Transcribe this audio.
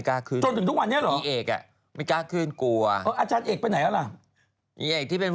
แต่มันไม่กล้าขึ้นนะพูดจัดการก็ไม่กล้าขึ้น